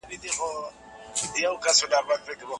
مېلمانه په دسترخوان باندې په ډېر نظم او خاص درناوي سره ناست وو.